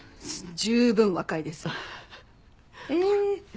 十分若いです。え！